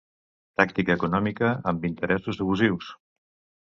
Pràctica econòmica amb interessos abusius.